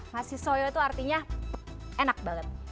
nasi soyo itu artinya enak banget